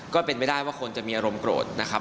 ก็เป็นไปได้ว่าคนจะมีอารมณ์โกรธนะครับ